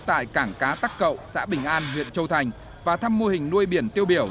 tại cảng cá tắc cậu xã bình an huyện châu thành và thăm mô hình nuôi biển tiêu biểu